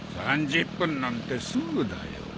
３０分なんてすぐだよ。